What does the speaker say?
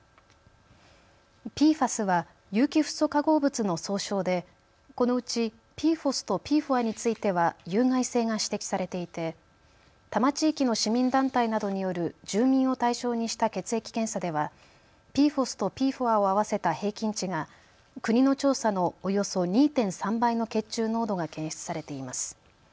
ＰＦＡＳは有機フッ素化合物の総称で、このうちＰＦＯＳとＰＦＯＡについては有害性が指摘されていて多摩地域の市民団体などによる住民を対象にした血液検査ではＰＦＯＳとＰＦＯＡを合わせた平均値が国の調査のおよそ２．３倍の血中濃度が検出されています。